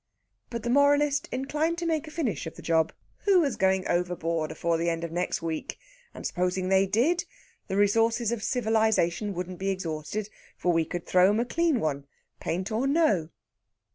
But the moralist inclined to make a finish of the job. Who was going overboard afore the end of next week? And supposing they did, the resources of civilisation wouldn't be exhausted, for we could throw 'em a clean one paint or no.